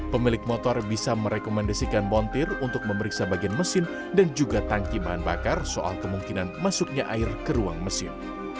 pemilik motor bisa merekomendasikan montir untuk memeriksa bagian mesin dan juga tangki bahan bakar soal kemungkinan masuknya air ke ruang mesin